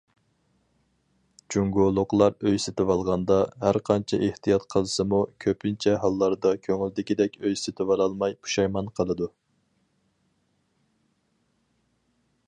جۇڭگولۇقلار ئۆي سېتىۋالغاندا، ھەرقانچە ئېھتىيات قىلسىمۇ، كۆپىنچە ھاللاردا كۆڭۈلدىكىدەك ئۆي سېتىۋالالماي پۇشايمان قىلىدۇ.